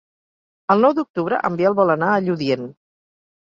El nou d'octubre en Biel vol anar a Lludient.